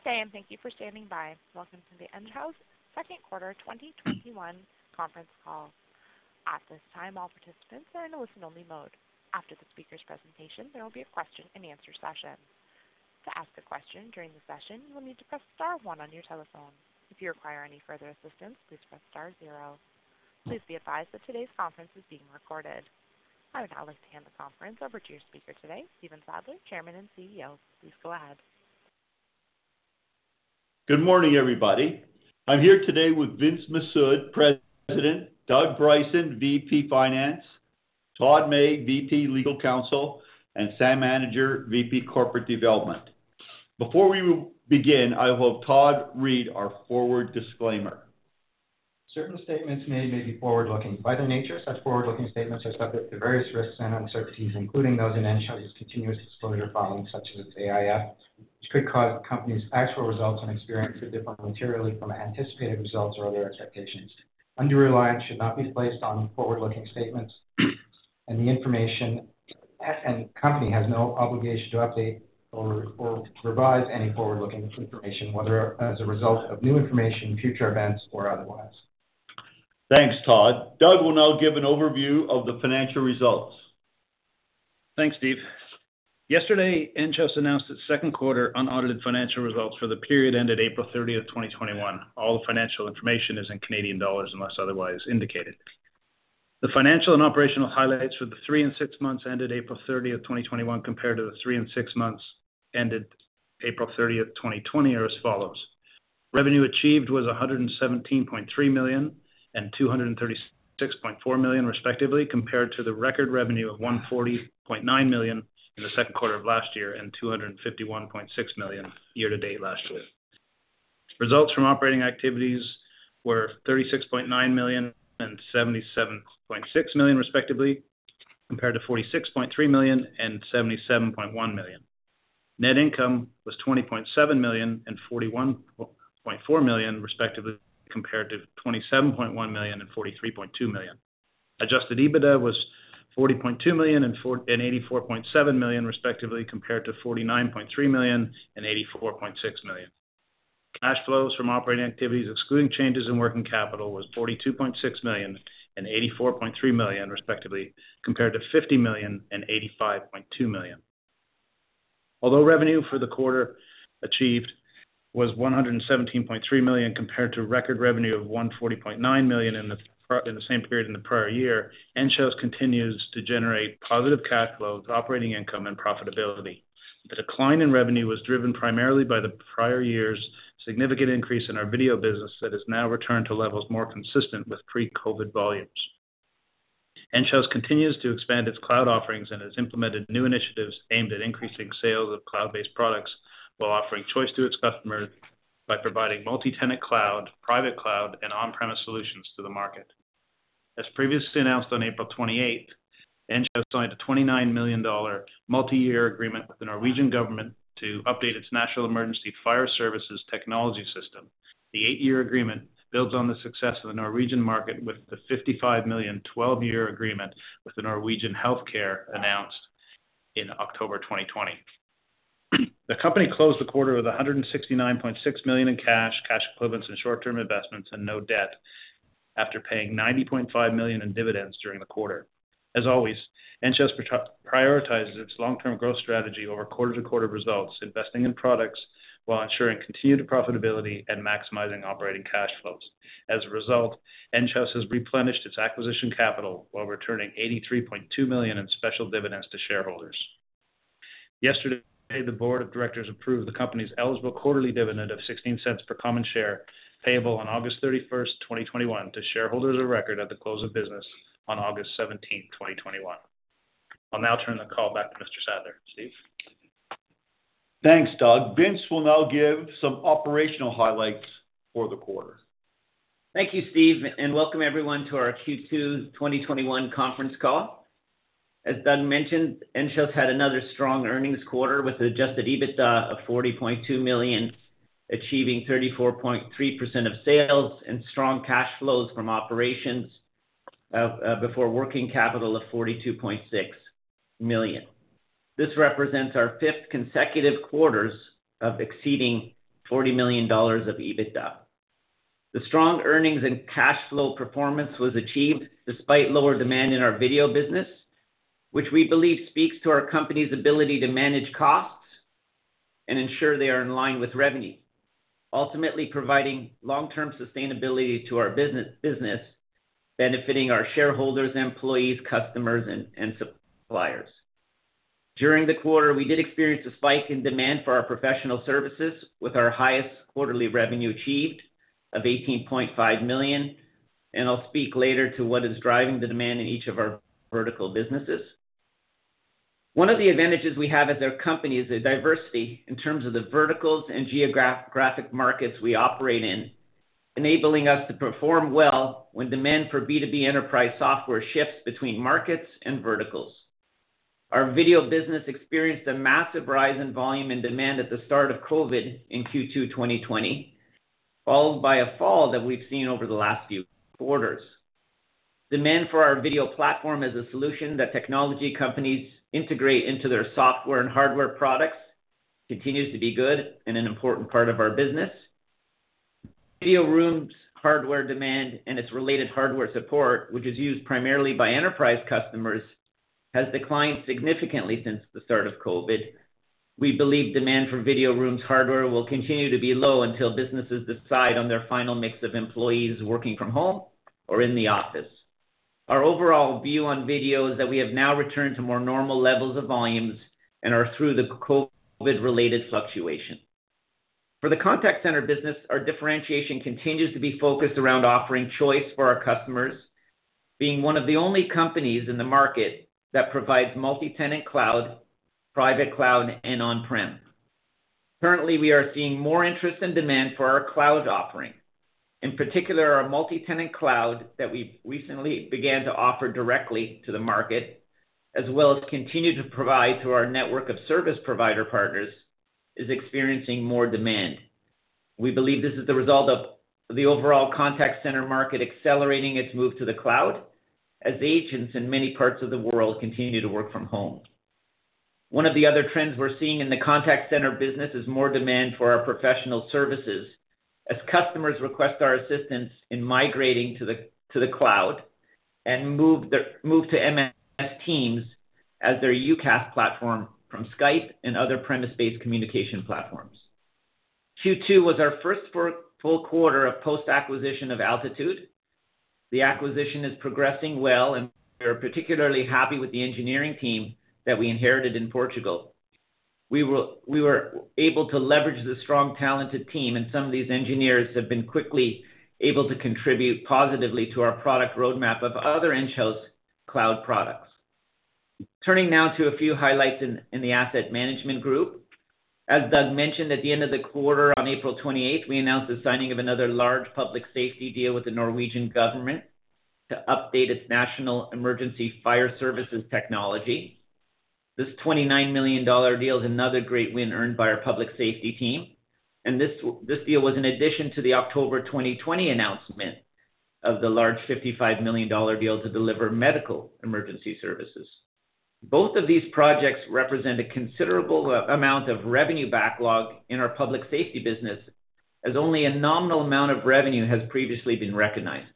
Good day, and thank you for standing by. Welcome to the Enghouse second quarter 2021 conference call. At this time, all participants are in a listen-only mode. After the speakers' presentation, there will be a question and answer session. To ask a question during the session, you will need to press star one on your telephone. If you require any further assistance, please press star zero. Please be advised that today's conference is being recorded. I would now like to hand the conference over to your speaker today, Stephen Sadler, Chairman and CEO. Please go ahead. Good morning, everybody. I'm here today with Vince Mifsud, President, Doug Bryson, VP Finance, Todd May, VP Legal Counsel, and Sam Anidjar, VP Corporate Development. Before we begin, I will have Todd read our forward disclaimer. Certain statements made may be forward-looking. By their nature, such forward-looking statements are subject to various risks and uncertainties, including those in Enghouse's continuous disclosure filings, such as its AIF, which could cause the company's actual results and experiences to differ materially from anticipated results or other expectations. Undue reliance should not be placed on forward-looking statements, and the company has no obligation to update or revise any forward-looking information, whether as a result of new information, future events, or otherwise. Thanks, Todd. Doug will now give an overview of the financial results. Thanks, Steve. Yesterday, Enghouse announced its second quarter unaudited financial results for the period ended April 30th, 2021. All financial information is in Canadian dollars unless otherwise indicated. The financial and operational highlights for the three and six months ended April 30th, 2021, compared to the three and six months ended April 30th, 2020, are as follows. Revenue achieved was 117.3 million and 236.4 million respectively, compared to the record revenue of 140.9 million in the second quarter of last year and 251.6 million year to date last year. Results from operating activities were 36.9 million and 77.6 million respectively, compared to 46.3 million and 77.1 million. Net income was 20.7 million and 41.4 million respectively, compared to 27.1 million and 43.2 million. Adjusted EBITDA was 40.2 million and 84.7 million respectively, compared to 49.3 million and 84.6 million. Cash flows from operating activities excluding changes in working capital was 42.6 million and 84.3 million respectively, compared to 50 million and 85.2 million. Although revenue for the quarter achieved was 117.3 million compared to record revenue of 140.9 million in the same period in the prior year, Enghouse continues to generate positive cash flows, operating income, and profitability. The decline in revenue was driven primarily by the prior year's significant increase in our video business that has now returned to levels more consistent with pre-COVID volumes. Enghouse continues to expand its cloud offerings and has implemented new initiatives aimed at increasing sales of cloud-based products while offering choice to its customers by providing multi-tenant cloud, private cloud, and on-premise solutions to the market. As previously announced on April 28th, Enghouse signed a 29 million dollar multiyear agreement with the Norwegian government to update its national emergency fire services technology system. The eight-year agreement builds on the success of the Norwegian market, with the 55 million 12-year agreement with the Norwegian public safety infrastructure contract announced in October 2020. The company closed the quarter with 169.6 million in cash equivalents, and short-term investments and no debt after paying 90.5 million in dividends during the quarter. As always, Enghouse prioritizes its long-term growth strategy over quarter-to-quarter results, investing in products while ensuring continued profitability and maximizing operating cash flows. As a result, Enghouse has replenished its acquisition capital while returning 83.2 million in special dividends to shareholders. Yesterday, the board of directors approved the company's eligible quarterly dividend of 0.16 per common share payable on August 31st, 2021, to shareholders of record at the close of business on August 17th, 2021. I'll now turn the call back to Mr. Sadler. Steve? Thanks, Doug. Vince will now give some operational highlights for the quarter. Thank you, Steve, and welcome everyone to our Q2 2021 conference call. As Doug mentioned, Enghouse had another strong earnings quarter with adjusted EBITDA of 40.2 million, achieving 34.3% of sales and strong cash flows from operations before working capital of 42.6 million. This represents our fifth consecutive quarter of exceeding 40 million dollars of EBITDA. The strong earnings and cash flow performance was achieved despite lower demand in our video business, which we believe speaks to our company's ability to manage costs and ensure they are in line with revenue, ultimately providing long-term sustainability to our business, benefiting our shareholders, employees, customers, and suppliers. During the quarter, we did experience a spike in demand for our professional services with our highest quarterly revenue achieved of 18.5 million, and I'll speak later to what is driving the demand in each of our vertical businesses. One of the advantages we have as a company is the diversity in terms of the verticals and geographic markets we operate in, enabling us to perform well when demand for B2B enterprise software shifts between markets and verticals. Our video business experienced a massive rise in volume and demand at the start of COVID in Q2 2020, followed by a fall that we've seen over the last few quarters. Demand for our video platform as a solution that technology companies integrate into their software and hardware products continues to be good and an important part of our business. VidyoRooms hardware demand and its related hardware support, which is used primarily by enterprise customers, has declined significantly since the start of COVID. We believe demand for VidyoRooms hardware will continue to be low until businesses decide on their final mix of employees working from home or in the office. Our overall view on video is that we have now returned to more normal levels of volumes and are through the COVID-related fluctuations. For the contact center business, our differentiation continues to be focused around offering choice for our customers, being one of the only companies in the market that provides multi-tenant cloud, private cloud, and on-prem. Currently, we are seeing more interest and demand for our cloud offering. In particular, our multi-tenant cloud that we recently began to offer directly to the market, as well as continue to provide to our network of service provider partners, is experiencing more demand. We believe this is the result of the overall contact center market accelerating its move to the cloud, as agents in many parts of the world continue to work from home. One of the other trends we're seeing in the contact center business is more demand for our professional services as customers request our assistance in migrating to the cloud and move to MS Teams as their UCaaS platform from Skype and other premise-based communication platforms. Q2 was our first full quarter of post-acquisition of Altitude. The acquisition is progressing well, and we are particularly happy with the engineering team that we inherited in Portugal. We were able to leverage the strong, talented team, and some of these engineers have been quickly able to contribute positively to our product roadmap of other Enghouse cloud products. Turning now to a few highlights in the asset management group. As Doug mentioned, at the end of the quarter on April 28th, we announced the signing of another large public safety deal with the Norwegian government to update its national emergency fire services technology. This 29 million dollar deal is another great win earned by our Public Safety team. This deal was in addition to the October 2020 announcement of the large 55 million dollar deal to deliver medical emergency services. Both of these projects represent a considerable amount of revenue backlog in our Public Safety business, as only a nominal amount of revenue has previously been recognized.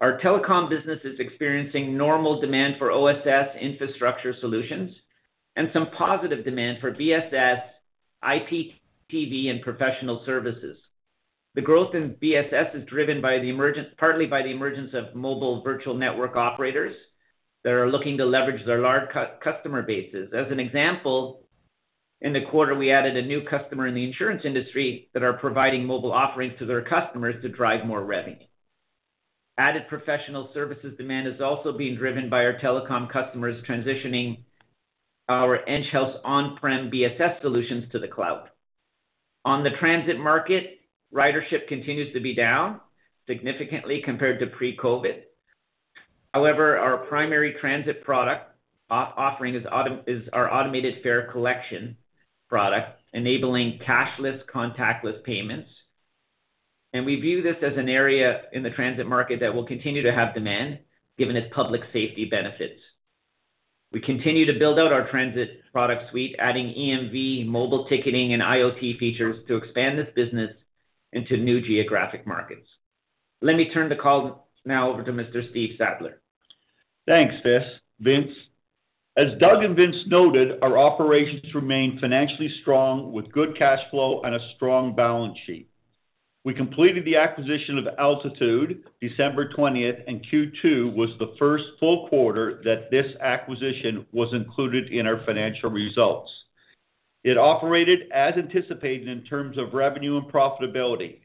Our telecom business is experiencing normal demand for OSS infrastructure solutions and some positive demand for BSS, IPTV, and professional services. The growth in BSS is driven partly by the emergence of mobile virtual network operators that are looking to leverage their large customer bases. As an example, in the quarter, we added one new customer in the insurance industry that are providing mobile offerings to their customers to drive more revenue. Added professional services demand is also being driven by our telecom customers transitioning our Enghouse on-prem BSS solutions to the cloud. On the transit market, ridership continues to be down significantly compared to pre-COVID. However, our primary transit product offering is our automated fare collection product, enabling cashless, contactless payments, and we view this as an area in the transit market that will continue to have demand given its public safety benefits. We continue to build out our transit product suite, adding EMV mobile ticketing and IoT features to expand this business into new geographic markets. Let me turn the call now over to Mr. Steve Sadler. Thanks, Vince. As Doug and Vince noted, our operations remain financially strong with good cash flow and a strong balance sheet. We completed the acquisition of Altitude December 20th, and Q2 was the first full quarter that this acquisition was included in our financial results. It operated as anticipated in terms of revenue and profitability.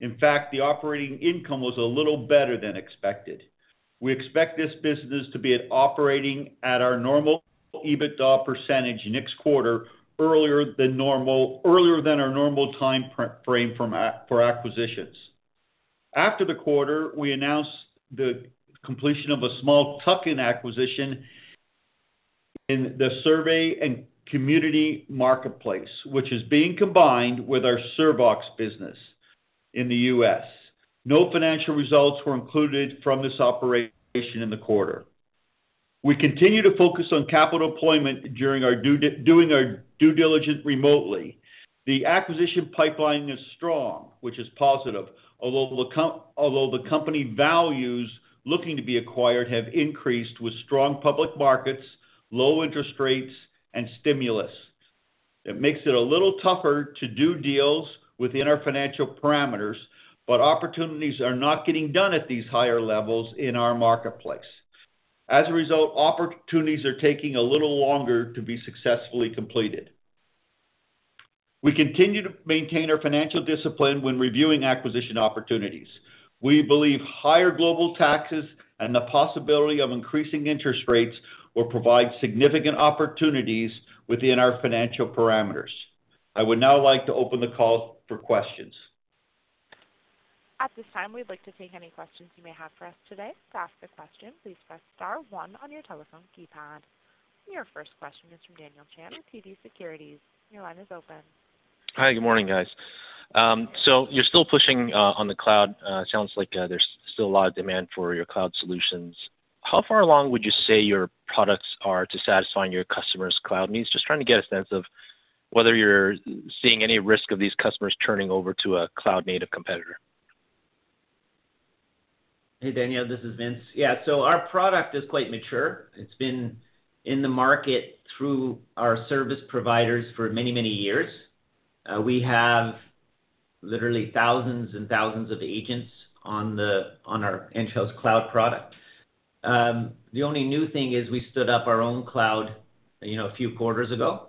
In fact, the operating income was a little better than expected. We expect this business to be operating at our normal EBITDA percentage next quarter, earlier than our normal time frame for acquisitions. After the quarter, we announced the completion of a small tuck-in acquisition in the survey and community marketplace, which is being combined with our Survox business in the U.S. No financial results were included from this operation in the quarter. We continue to focus on capital deployment doing our due diligence remotely. The acquisition pipeline is strong, which is positive. Although the company values looking to be acquired have increased with strong public markets, low interest rates, and stimulus. It makes it a little tougher to do deals within our financial parameters. Opportunities are not getting done at these higher levels in our marketplace. As a result, opportunities are taking a little longer to be successfully completed. We continue to maintain our financial discipline when reviewing acquisition opportunities. We believe higher global taxes and the possibility of increasing interest rates will provide significant opportunities within our financial parameters. I would now like to open the call for questions. At this time, we'd like to take any questions you may have for us today, to ask a question press star one on your telephone keypad. Your first question is from Daniel Chan at TD Securities. Hi. Good morning, guys. You're still pushing on the cloud. Sounds like there's still a lot of demand for your cloud solutions. How far along would you say your products are to satisfying your customers' cloud needs? Just trying to get a sense of whether you're seeing any risk of these customers turning over to a cloud-native competitor. Hey, Daniel, this is Vince. Yeah, our product is quite mature. It's been in the market through our service providers for many, many years. We have literally thousands and thousands of agents on our Enghouse cloud product. The only new thing is we stood up our own cloud a few quarters ago.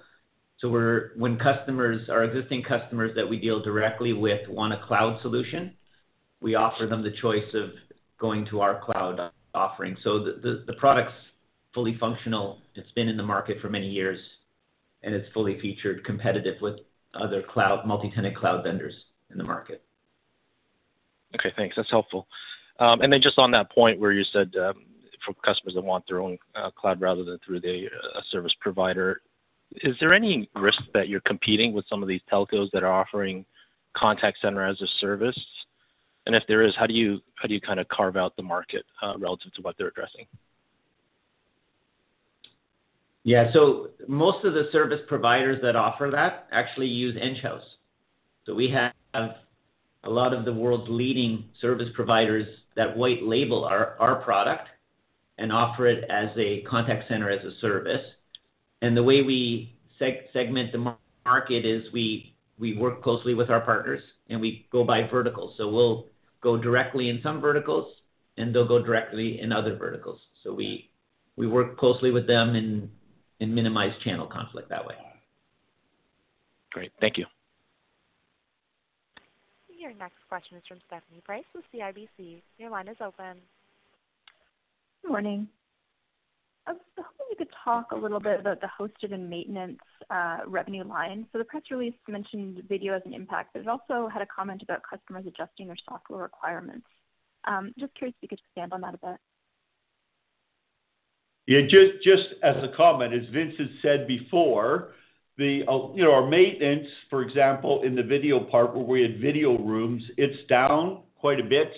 When our existing customers that we deal directly with want a cloud solution, we offer them the choice of going to our cloud offering. The product's fully functional. It's been in the market for many years, and it's fully featured, competitive with other multi-tenant cloud vendors in the market. Okay, thanks. That's helpful. Just on that point where you said for customers that want their own cloud rather than through a service provider, is there any risk that you're competing with some of these telcos that are offering contact center as a service? If there is, how do you kind of carve out the market relative to what they're addressing? Yeah. Most of the service providers that offer that actually use Enghouse. We have a lot of the world's leading service providers that white label our product and offer it as a contact center as a service. The way we segment the market is we work closely with our partners, and we go by vertical. We'll go directly in some verticals, and they'll go directly in other verticals. We work closely with them and minimize channel conflict that way. Great. Thank you. Your next question is from Stephanie Price with CIBC. Your line is open. Good morning. I was hoping you could talk a little bit about the hosted and maintenance revenue line. The press release mentioned video as an impact, but it also had a comment about customers adjusting their software requirements. Just curious if you could expand on that a bit? Yeah. Just as a comment, as Vince said before, our maintenance, for example, in the video part where we had VidyoRooms, it's down quite a bit.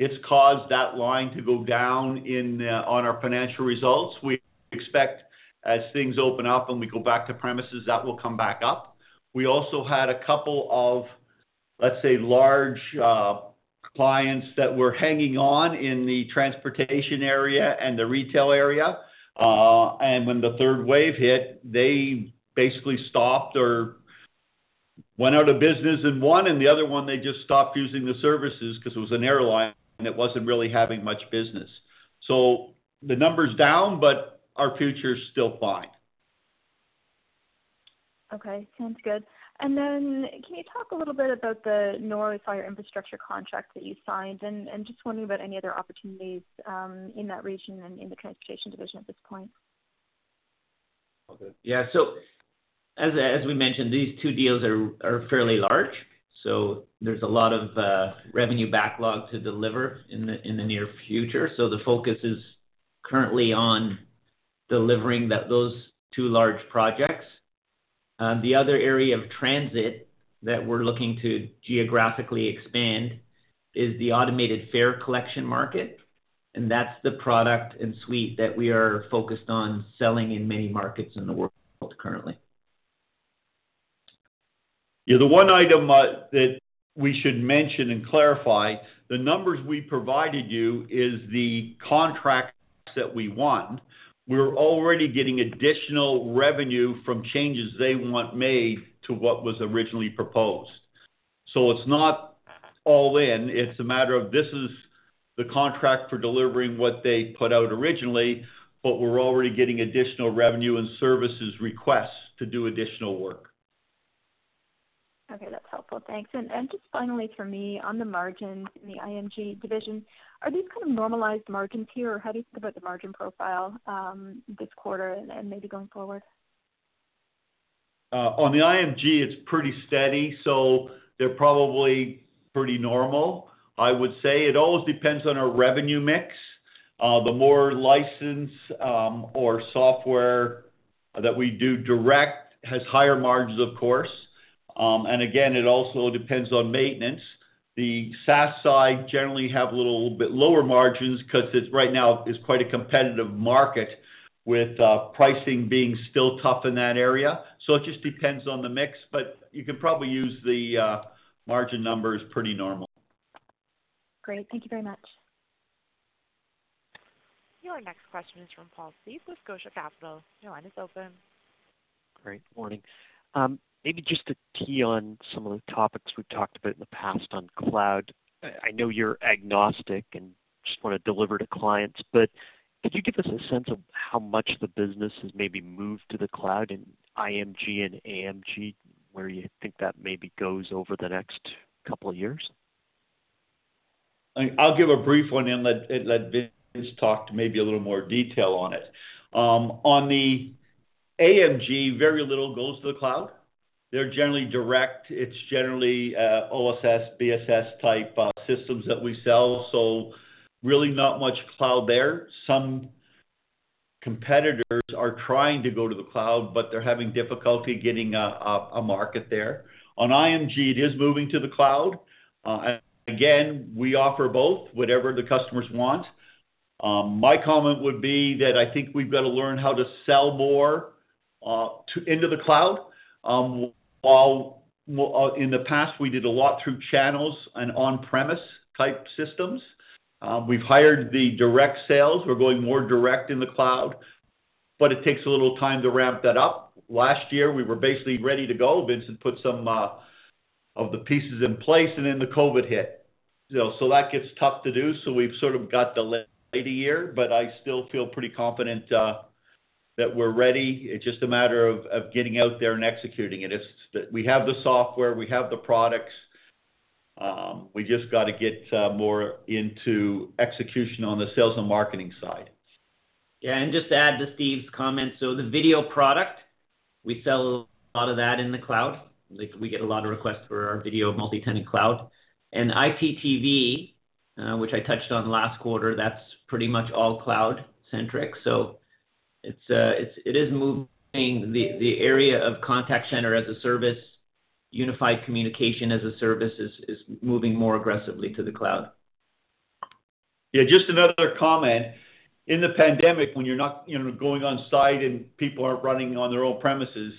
It's caused that line to go down on our financial results. We expect as things open up and we go back to premises, that will come back up. We also had a couple of, let's say, large clients that were hanging on in the transportation area and the retail area. When the third wave hit, they basically stopped or went out of business in one, and the other one, they just stopped using the services because it was an airline, and it wasn't really having much business. The number's down, but our future's still fine. Okay. Sounds good. Can you talk a little bit about the Norwegian public safety infrastructure contract that you signed? Just wondering about any other opportunities in that region and in the transportation division at this point. Yeah. As we mentioned, these two deals are fairly large, so there is a lot of revenue backlog to deliver in the near future. The focus is currently on delivering those two large projects. The other area of transit that we are looking to geographically expand is the automated fare collection market, and that is the product and suite that we are focused on selling in many markets in the world currently. Yeah. The one item that we should mention and clarify, the numbers we provided you is the contracts that we won. We're already getting additional revenue from changes they want made to what was originally proposed. It's not all in. It's a matter of this is the contract for delivering what they put out originally, but we're already getting additional revenue and services requests to do additional work. Okay. That's helpful. Thanks. Just finally from me on the margins in the IMG division, are these kind of normalized margins here, or how do you think about the margin profile this quarter and maybe going forward? On the IMG, it's pretty steady, so they're probably pretty normal, I would say. It always depends on our revenue mix. The more license or software that we do direct has higher margins, of course. Again, it also depends on maintenance. The SaaS side generally have a little bit lower margins because right now it's quite a competitive market with pricing being still tough in that area. It just depends on the mix, but you can probably use the margin number as pretty normal. Great. Thank you very much. Your next question is from Paul Steep with Scotia Capital. Your line is open. Great. Morning. Maybe just to key on some of the topics we've talked about in the past on cloud. I know you're agnostic and just want to deliver to clients, could you give us a sense of how much the business has maybe moved to the cloud in IMG and AMG, and where you think that maybe goes over the next couple of years? I'll give a brief one and let Vince talk maybe a little more detail on it. On the AMG, very little goes to the cloud. They're generally direct. It's generally OSS, BSS type systems that we sell. Really not much cloud there. Some competitors are trying to go to the cloud, but they're having difficulty getting a market there. On IMG, it is moving to the cloud. Again, we offer both, whatever the customers want. My comment would be that I think we've got to learn how to sell more into the cloud. While in the past, we did a lot through channels and on-premise type systems, we've hired the direct sales. We're going more direct in the cloud, but it takes a little time to ramp that up. Last year, we were basically ready to go. Vince put some of the pieces in place, the COVID hit. That gets tough to do. We've sort of got the year, but I still feel pretty confident that we're ready. It's just a matter of getting out there and executing it. We have the software, we have the products. We just got to get more into execution on the sales and marketing side. Just to add to Steve's comment, so the video product, we sell a lot of that in the cloud. We get a lot of requests for our video multi-tenant cloud. IPTV, which I touched on last quarter, that's pretty much all cloud-centric. It is moving the area of contact center as a service, unified communication as a service is moving more aggressively to the cloud. Just another comment. In the pandemic, when you're not going on site and people are running on their own premises,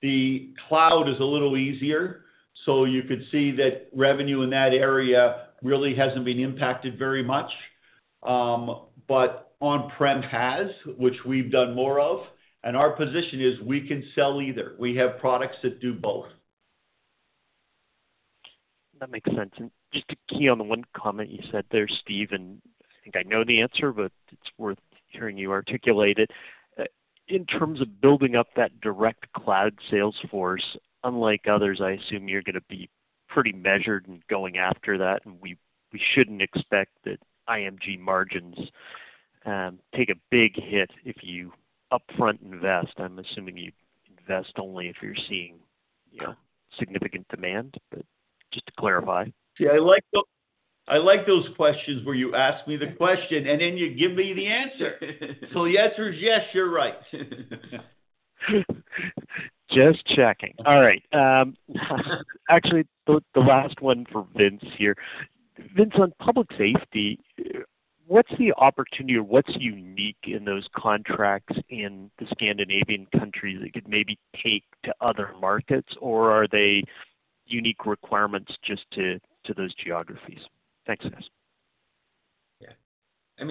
the cloud is a little easier. You could see that revenue in that area really hasn't been impacted very much. On-prem has, which we've done more of, and our position is we can sell either. We have products that do both. That makes sense. Just to key on the one comment you said there, Steve, and I think I know the answer, but it's worth hearing you articulate it. In terms of building up that direct cloud sales force, unlike others, I assume you're going to be pretty measured in going after that, and we shouldn't expect that IMG margins take a big hit if you upfront invest. I'm assuming you invest only if you're seeing significant demand, but just to clarify. See, I like those questions where you ask me the question and then you give me the answer. Yes is yes, you're right. Just checking. All right. Actually, the last one for Vince here. Vince, on public safety, what's the opportunity or what's unique in those contracts in the Scandinavian countries that could maybe take to other markets? Or are they unique requirements just to those geographies? Thanks, Vince.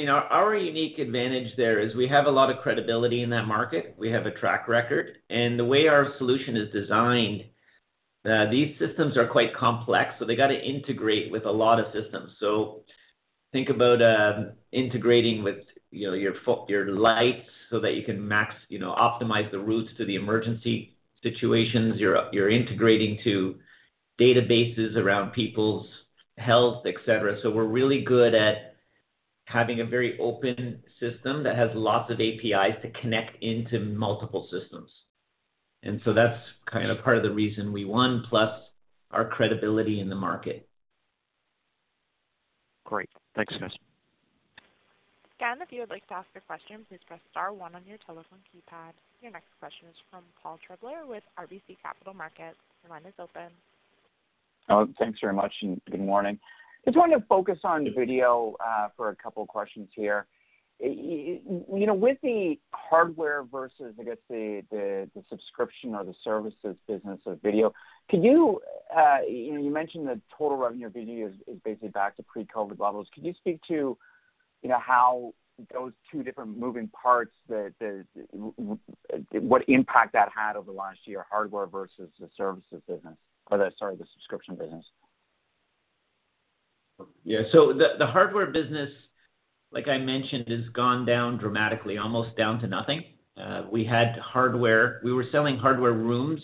Our unique advantage there is we have a lot of credibility in that market. We have a track record. The way our solution is designed, these systems are quite complex, so they got to integrate with a lot of systems. Think about integrating with your lights so that you can optimize the routes to the emergency situations. You're integrating to databases around people's health, et cetera. We're really good at having a very open system that has lots of APIs to connect into multiple systems. That's kind of part of the reason we won, plus our credibility in the market. Great. Thanks, Vince. If you are on the queue, to ask a question press star one on your telephone keypad. Your next question is from Paul Treiber with RBC Capital Markets. Your line is open. Oh, thanks very much. Good morning. I just wanted to focus on video for a couple of questions here. With the hardware versus, I guess, the subscription or the services business of video, you mentioned that total revenue video is basically back to pre-COVID levels. Can you speak to how those two different moving parts, what impact that had over the last year, hardware versus the services business or, sorry, the subscription business? Yeah. The hardware business, like I mentioned, has gone down dramatically, almost down to nothing. We had hardware. We were selling hardware rooms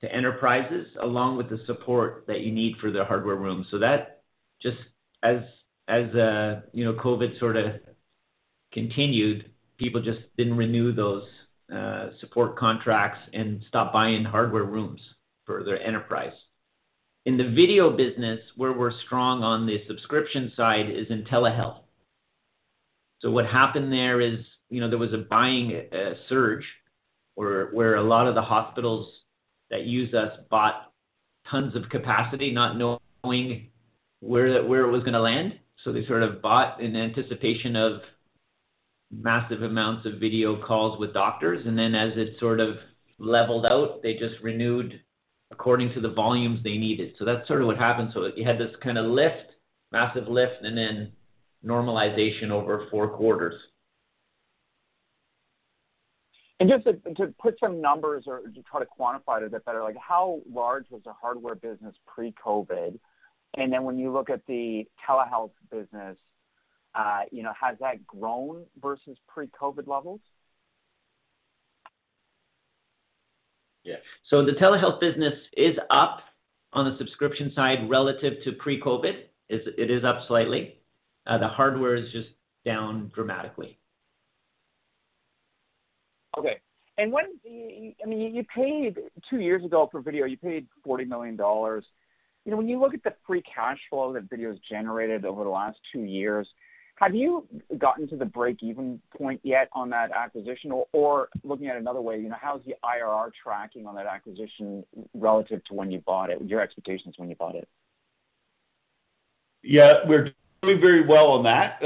to enterprises, along with the support that you need for the hardware room. That just as COVID sort of continued, people just didn't renew those support contracts and stopped buying hardware rooms for their enterprise. In the video business, where we're strong on the subscription side is in telehealth. What happened there is, there was a buying surge where a lot of the hospitals that use us bought tons of capacity, not knowing where it was going to land. They sort of bought in anticipation of massive amounts of video calls with doctors, and then as it sort of leveled out, they just renewed according to the volumes they needed. That's sort of what happened. You had this kind of massive lift, and then normalization over four quarters. Just to put some numbers or to try to quantify it a bit better, how large was the hardware business pre-COVID? When you look at the telehealth business, has that grown versus pre-COVID levels? Yeah. The telehealth business is up on the subscription side relative to pre-COVID. It is up slightly. The hardware is just down dramatically. You paid two years ago for Video, you paid 40 million dollars. When you look at the free cash flow that Video's generated over the last two years, have you gotten to the breakeven point yet on that acquisition? Or looking at it another way, how's the IRR tracking on that acquisition relative to when you bought it, your expectations when you bought it? Yeah, we're doing very well on that.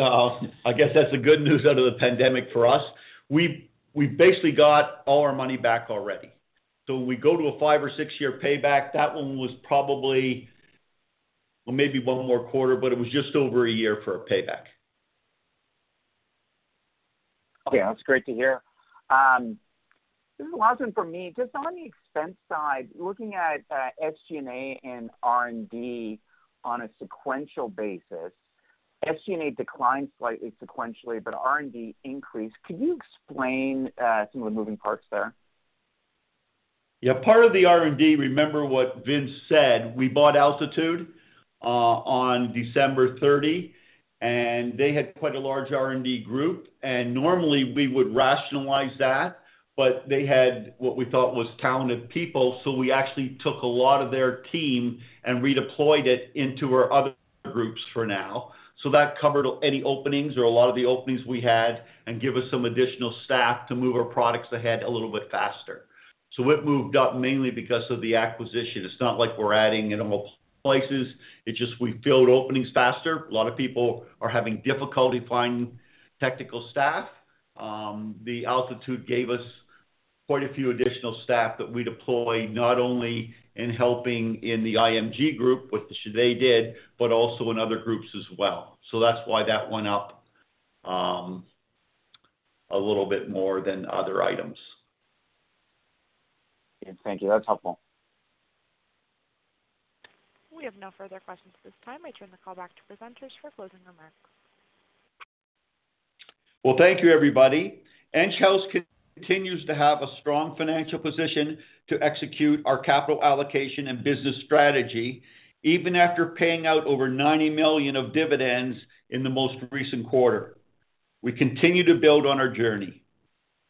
I guess that's the good news out of the pandemic for us. We basically got all our money back already. We go to a five or six-year payback. That one was probably, well, maybe one more quarter, but it was just over a year for a payback. Okay. That's great to hear. This is the last one from me. Just on the expense side, looking at SG&A and R&D on a sequential basis, SG&A declined slightly sequentially, but R&D increased. Could you explain some of the moving parts there? Part of the R&D, remember what Vince said, we bought Altitude on December 30, and they had quite a large R&D group, and normally we would rationalize that, but they had what we thought was talented people, so we actually took a lot of their team and redeployed it into our other groups for now. That covered any openings or a lot of the openings we had and give us some additional staff to move our products ahead a little bit faster. It moved up mainly because of the acquisition. It's not like we're adding in multiple places, it's just we filled openings faster. A lot of people are having difficulty finding technical staff. The Altitude gave us quite a few additional staff that we deploy not only in helping in the IMG group, which they did, but also in other groups as well. That's why that went up a little bit more than other items. Yeah. Thank you. That's helpful. We have no further questions at this time. I turn the call back to presenters for closing remarks. Well, thank you, everybody. Enghouse continues to have a strong financial position to execute our capital allocation and business strategy, even after paying out over 90 million of dividends in the most recent quarter. We continue to build on our journey.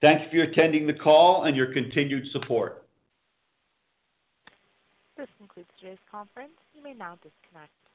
Thank you for attending the call and your continued support. This concludes today's conference. You may now disconnect.